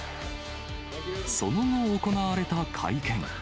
その後、行われた会見。